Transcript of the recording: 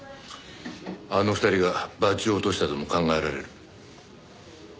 あの２人がバッジを落としたとも考えられる。